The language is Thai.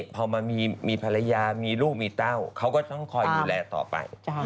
พอมามีภรรยามีลูกมีเต้าเขาก็ต้องคอยดูแลต่อไป